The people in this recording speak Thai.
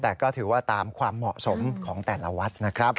แต่ก็ถือว่าตามความเหมาะสมของแต่ละวัดนะครับ